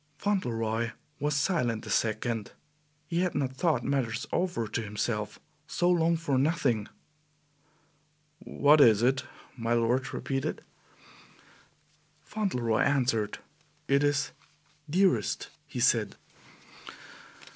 Fauntleroy was silent a second. He had not thought matters over to himself so long for nothing. "What is it?" my lord repeated. Fauntleroy answered. "It is Dearest," he said.